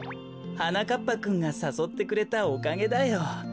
はなかっぱくんがさそってくれたおかげだよ。